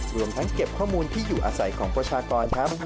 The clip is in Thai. รวมทั้งเก็บข้อมูลที่อยู่อาศัยของประชากรครับ